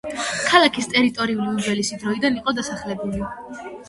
ქალაქის ტერიტორია უძველესი დროიდან იყო დასახლებული.